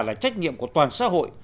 là trách nhiệm của toàn xã hội